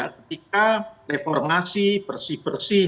ketika reformasi bersih bersih